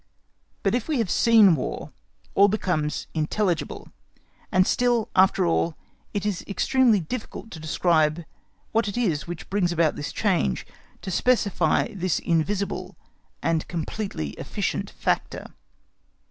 But if we have seen War, all becomes intelligible; and still, after all, it is extremely difficult to describe what it is which brings about this change, to specify this invisible and completely efficient factor.